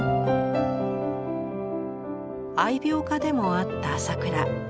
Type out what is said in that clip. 愛猫家でもあった朝倉。